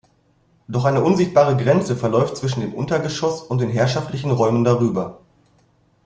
Doch eine unsichtbare Grenze verläuft zwischen dem Untergeschoss und den herrschaftlichen Räumen darüber.